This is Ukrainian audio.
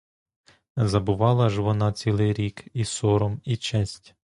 Забувала ж вона цілий рік і сором, і честь.